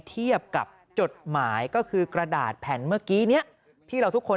เทียบกับจดหมายก็คือกระดาษแผ่นเมื่อกี้เนี่ยที่เราทุกคน